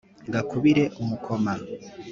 gakubire umukoma